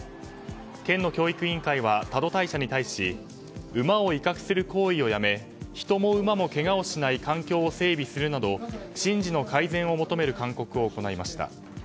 県の教育委員会は多度大社に対し馬を威嚇する行為をやめ人も馬もけがをしない環境を整備するなど神事の改善を求める勧告を行いました。